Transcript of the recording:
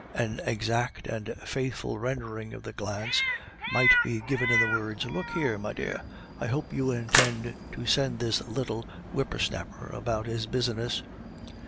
An exact and faithful rendering of the glance might be given in the words: "Look here, my dear; I hope you intend to send this little whipper snapper about his business."